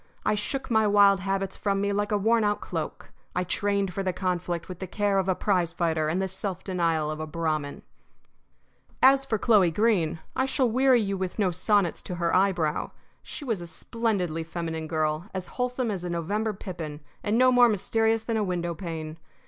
I shook my wild habits from me like a worn out cloak. I trained for the conflict with the care of a prize fighter and the self denial of a Brahmin. As for Chloe Greene, I shall weary you with no sonnets to her eyebrow. She was a splendidly feminine girl, as wholesome as a November pippin, and no more mysterious than a window pane.